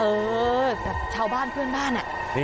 เออแบบชาวบ้านเพื่อนบ้านอ่ะ